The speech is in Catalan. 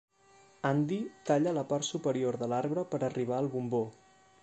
Andy talla la part superior de l'arbre per arribar al bombó.